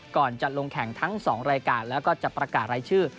ก่อนจะลงแข่งทั้ง๒รายการแล้วก็จะประกาศรายชื่อ